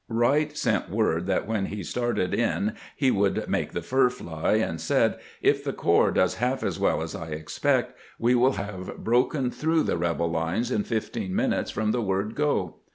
Wright sent word that when he started in he would " make the fur fly," and said :" If the corps does half as well as I expect, we will have broken through the rebel lines in fifteen minutes from the word 'go.'"